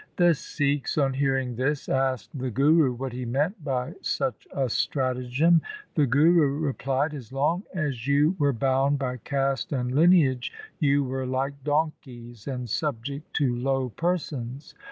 The Sikhs on hearing this asked the Guru what he meant by such a stratagem. The Guru replied, 'As long as you were bound by caste and lineage you were like donkeys and subject to low persons.